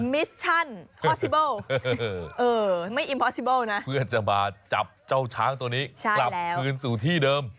มิชชั่นเอ่อไม่นะเพื่อจะมาจับเจ้าช้างตัวนี้ใช่แล้วคืนสู่ที่เดิม